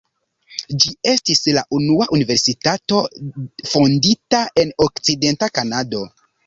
Ĝi estis la unua universitato fondita en okcidenta Kanado.